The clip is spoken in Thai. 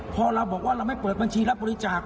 พอเราบอกว่าเราไม่เปิดบัญชีรับบริจาค